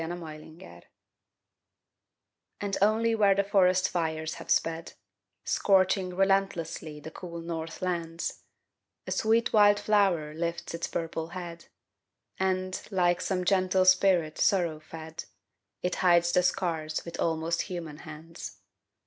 FIRE FLOWERS And only where the forest fires have sped, Scorching relentlessly the cool north lands, A sweet wild flower lifts its purple head, And, like some gentle spirit sorrow fed, It hides the scars with almost human hands.